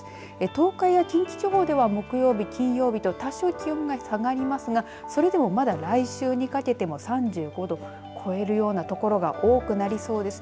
東海や近畿地方などでは木曜日、金曜日など多少気温が下がりますが来週にかけても３５度を超えるような所が多くなりそうです。